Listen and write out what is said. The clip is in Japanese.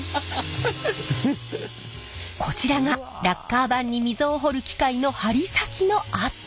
こちらがラッカー盤に溝を彫る機械の針先のアップ。